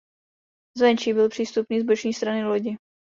Zvenčí byl přístupný z boční strany lodi.